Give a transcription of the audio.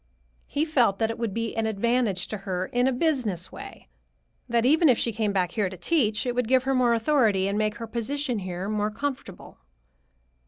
He felt that it would be an advantage to her in a business way: that even if she came back here to teach, it would give her more authority and make her position here more comfortable."